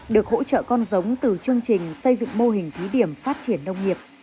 được hỗ trợ con giống từ chương trình xây dựng mô hình thí điểm phát triển nông nghiệp